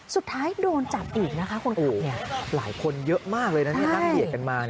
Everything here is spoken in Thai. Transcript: สุดท้ายโดนจับอีกนะคะคุณพิงหลายคนเยอะมากเลยนะนี่นั่งเดียกกันมา